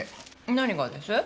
何がです？